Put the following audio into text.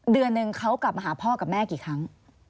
เดือนหนึ่งเขากลับมาหาพ่อกับแม่กี่ครั้ง